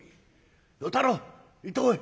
与太郎行ってこい。